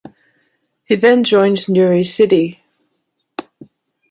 He then joined Newry City.